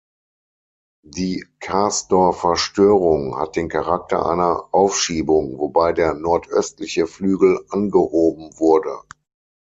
Die Karsdorfer Störung hat den Charakter einer Aufschiebung, wobei der nordöstliche Flügel angehoben wurde.